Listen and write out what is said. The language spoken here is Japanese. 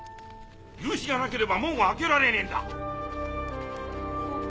許しがなければ門は開けられねえんだ。